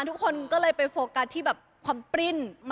ทุกคนก็เลยไปโฟกัสที่แบบความปริ้นมันก็ปกติล่ะค่ะ